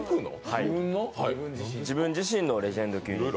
自分自身のレジェンド級。